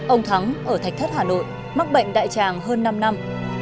ông thắng ở thạch thất hà nội mắc bệnh đại tràng hơn năm năm